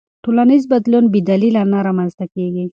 ټولنیز بدلون بې دلیله نه رامنځته کېږي.